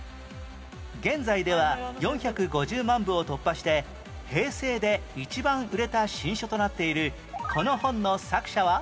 現在では４５０万部を突破して平成で一番売れた新書となっているこの本の作者は？